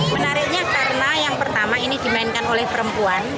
menariknya karena yang pertama ini dimainkan oleh perempuan